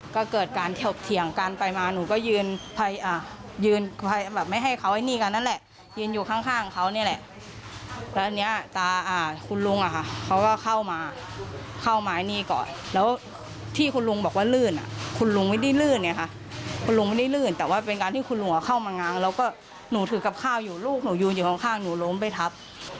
ก็เกิดการเถียงกันไปมาหนูก็ยืนแบบไม่ให้เขาไอ้นี่กันนั่นแหละยืนอยู่ข้างเขานี่แหละแล้วอันนี้ตาคุณลุงอะค่ะเขาก็เข้ามาเข้าไม้นี่ก่อนแล้วที่คุณลุงบอกว่าลื่นอ่ะคุณลุงไม่ได้ลื่นไงค่ะคุณลุงไม่ได้ลื่นแต่ว่าเป็นการที่คุณหัวเข้ามาง้างแล้วก็หนูถือกับข้าวอยู่ลูกหนูยืนอยู่ข้างหนูล้มไปทับ